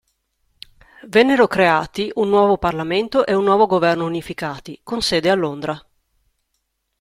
Vennero creati un nuovo parlamento e un nuovo governo unificati, con sede a Londra.